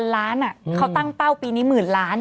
๑๐๐๐ล้านเขาตั้งเป้าปีนี้๑๐๐๐๐ล้าน